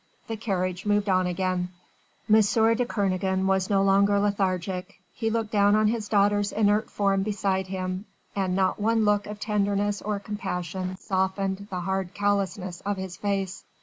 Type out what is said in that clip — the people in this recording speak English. The carriage moved on again. M. de Kernogan was no longer lethargic, he looked down on his daughter's inert form beside him, and not one look of tenderness or compassion softened the hard callousness of his face.